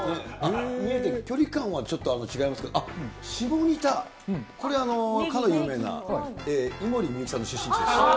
見えてくる、距離感はちょっと違いますけど、あっ、下仁田、これ、かの有名な井森美幸さんの出身地です。